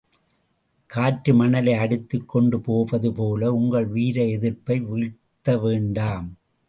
காற்று மணலை, அடித்துக் கொண்டு போவது போல, உங்கள் வீரம் எதிர்ப்பை வீழ்த்த வேண்டும்.